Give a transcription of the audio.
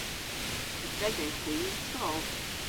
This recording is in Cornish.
Yth esewgh hwi y'n skol.